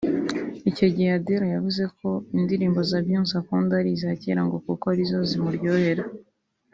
Icyo gihe Adele yavuze ko indirimbo za Beyonce akunda ari iza kera ngo kuko ari zo zimuryohera